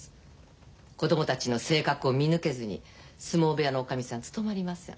子供たちの性格を見抜けずに相撲部屋のおかみさん務まりません。